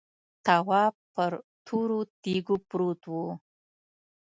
تواب پر تورو تیږو پروت و.